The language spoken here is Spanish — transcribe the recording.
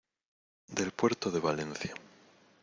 del puerto de Valencia.